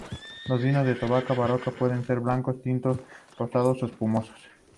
Los vinos de Távora-Varosa pueden ser blancos, tintos, rosados o espumosos.